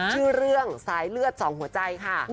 ชื่อเรื่องสายเลือดสองหัวใจค่ะ